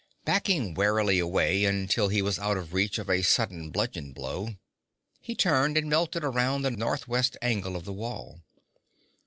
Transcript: Backing warily away until he was out of reach of a sudden bludgeon blow, he turned and melted around the northwest angle of the wall.